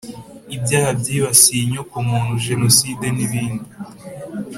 Ibyaha byibasiye inyokomuntu jenoside n’ ibindi